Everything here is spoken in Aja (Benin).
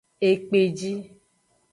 Ekpeji.